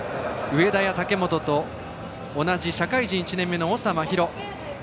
上田や武本と同じ社会人１年目の長麻尋。